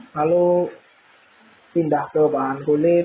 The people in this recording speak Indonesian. lalu pindah ke bahan kulit